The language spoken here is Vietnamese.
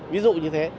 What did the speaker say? ví dụ như thế